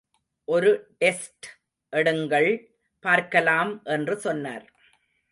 ஒரு டெஸ்ட் எடுங்கள் பார்க்கலாம் என்று சொன்னார்.